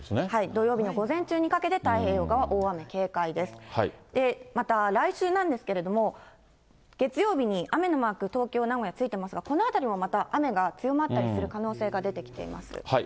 土曜日の午前中にかけて、太平洋側、大雨警戒です。また来週なんですけれども、月曜日に雨のマーク、東京、名古屋、ついてますが、このあたりもまた雨が強まったりする可能性が出てきています。